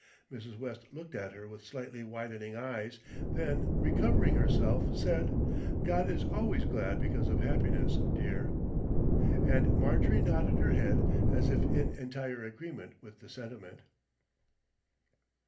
Mrs. West looked at her with slightly widening eyes, then recovering herself, said, "God is always glad because of happiness, dear." And Marjorie nodded her head as if in entire agreement with the sentiment.